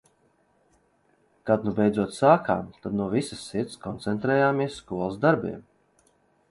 Kad nu beidzot sākām, tad no visas sirds koncentrējāmies skolas darbiem.